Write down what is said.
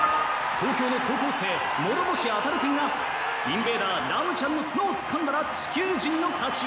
東京の高校生諸星あたる君がインベーダーラムちゃんの角をつかんだら地球人の勝ち。